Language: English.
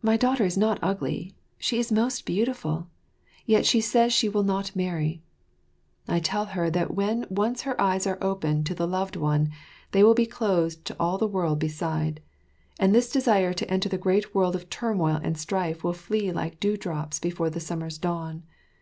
My daughter is not ugly, she is most beautiful; yet she says she will not marry. I tell her that when once her eyes are opened to the loved one, they will be closed to all the world beside, and this desire to enter the great world of turmoil and strife will flee like dew drops before the summer's dawn.